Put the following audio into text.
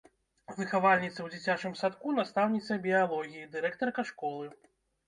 Выхавальніца ў дзіцячым садку, настаўніца біялогіі, дырэктарка школы.